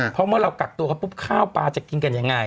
เพราะเมื่อเรากักตัวเขาปุ๊บข้าวปลาจะกินกันยังไง